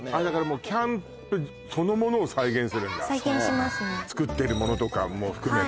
もうキャンプそのものを再現するんだ再現しますね作ってるものとかも含めて